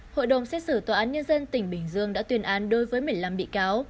hội đồng xét xử tòa án nhân dân tỉnh bình dương đã tuyên án đối với một mươi năm bị cáo